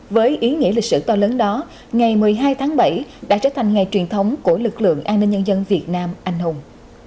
với ý nghĩa lịch sử to lớn đó ngày một mươi hai tháng bảy đã trở thành ngày truyền thống của lực lượng an ninh nhân dân việt nam anh hùng